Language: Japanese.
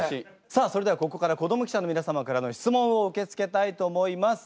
さあそれではここから子ども記者の皆様からの質問を受け付けたいと思います。